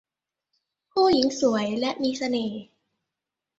ผู้หญิงสวยและมีเสน่ห์